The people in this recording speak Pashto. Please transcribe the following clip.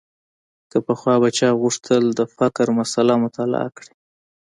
که پخوا به چا غوښتل د فقر مسأله مطالعه کړي.